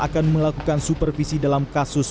akan melakukan supervisi dalam kasus